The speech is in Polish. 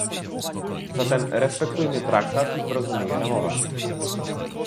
Zatem respektujmy traktat i porozumienia ramowe